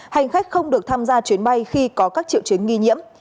hành khách không được tham gia chuyến bay khi có các triệu chứng nghi nhiễm